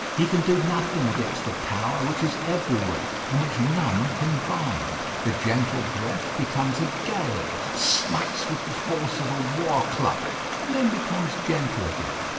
He can do nothing against the power which is everywhere, and which none can bind. The gentle breath becomes a gale, smites with the force of a war club, and then becomes gentle again.